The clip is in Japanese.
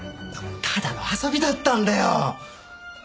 ただの遊びだったんだよ。